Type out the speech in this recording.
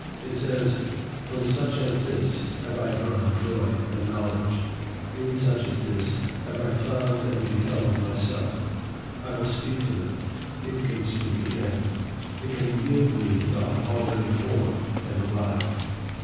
It says, 'From such as this, have I drawn joy and knowledge; in such as this, have I found and beheld myself; I will speak to it; it can speak again; it can yield me thought already formed and alive.'